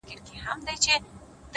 دا کتاب ختم سو نور; یو بل کتاب راکه;